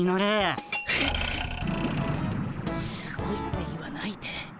えすごいって言わないで。